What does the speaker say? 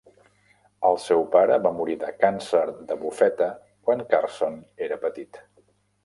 El seu pare va morir de càncer de bufeta quan Carson era petit.